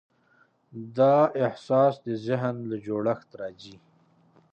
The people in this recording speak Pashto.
دا احساس د ذهن له جوړښت راځي.